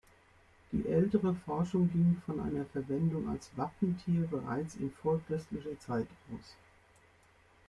Die ältere Forschung ging von einer Verwendung als Wappentier bereits in vorchristlicher Zeit aus.